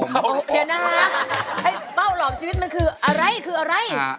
เดี๋ยวนะคะไอ้เป้าหลอกชีวิตมันคืออะไรคืออะไร